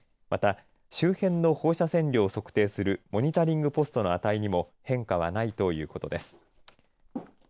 また周辺の放射線量を測定するモニタリングポストの値にも変化はないということです。